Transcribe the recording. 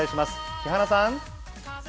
木花さん。